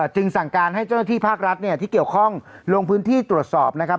จึงสั่งการให้เจ้าหน้าที่ภาครัฐเนี่ยที่เกี่ยวข้องลงพื้นที่ตรวจสอบนะครับ